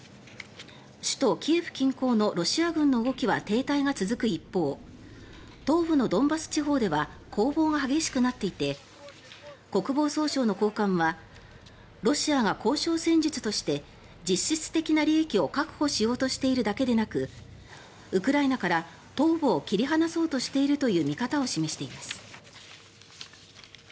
首都キエフ近郊のロシア軍の動きは停滞が続く一方東部のドンバス地方では攻防が激しくなっていて国防総省の高官はロシアが交渉戦術として実質的な利益を確保しようとしているだけでなくウクライナから東部を切り離そうとしているという見方を示しています。